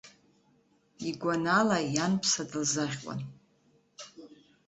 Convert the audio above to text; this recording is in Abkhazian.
Игәанала ианԥса дылзаӷьуан.